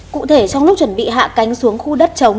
cụ thể trong lúc chuẩn bị hạ cánh xuống khu đất chống